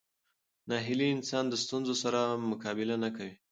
ناهیلي انسان د ستونزو سره مقابله نه کوي.